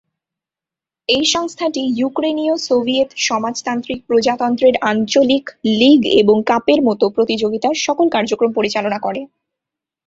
এই সংস্থাটি ইউক্রেনীয় সোভিয়েত সমাজতান্ত্রিক প্রজাতন্ত্রের আঞ্চলিক লীগ এবং কাপের মতো প্রতিযোগিতার সকল কার্যক্রম পরিচালনা করে।